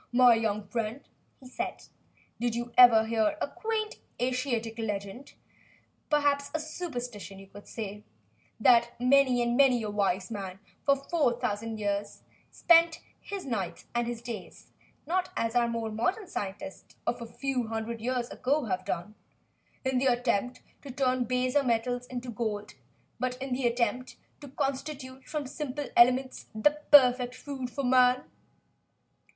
"My young friend," he said, "did you ever hear a quaint Asiatic legend scarcely a legend, perhaps, but a superstition that many and many a wise man, four thousand years ago, spent his nights and his days, not as our more modern scientists of a few hundred years ago have done, in the attempt to turn baser metals into gold, but in the attempt to constitute from simple elements the perfect food for man?"